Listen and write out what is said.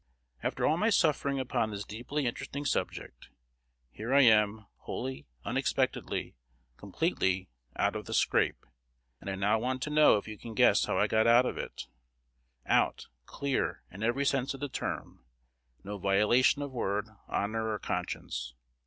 After all my suffering upon this deeply interesting subject, here I am, wholly, unexpectedly, completely, out of the "scrape;" and I now want to know if you can guess how I got out of it, out, clear, in every sense of the term; no violation of word, honor, or conscience.